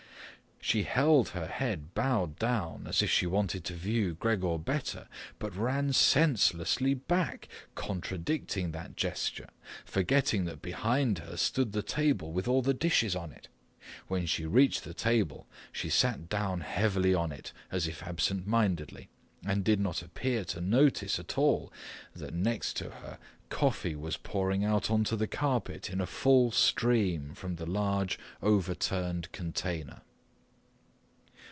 She held her head bowed down, as if she wanted to view Gregor better, but ran senselessly back, contradicting that gesture, forgetting that behind her stood the table with all the dishes on it. When she reached the table, she sat down heavily on it, as if absent mindedly, and did not appear to notice at all that next to her coffee was pouring out onto the carpet in a full stream from the large overturned container.